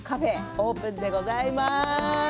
オープンでございます。